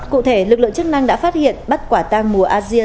cụ thể lực lượng chức năng đã phát hiện bắt quả tang mùa asia